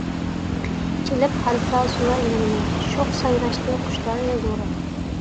چېلىپ ھارسا سۇنايلىرىنى، شوخ سايراشتى قۇشلارنى دوراپ.